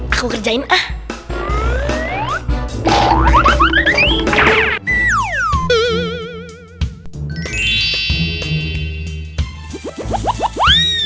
aku kerjain ah